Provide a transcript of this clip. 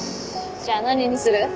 じゃあ何にする？